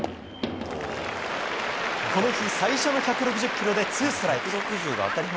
この日最初の１６０キロで、ツーストライク。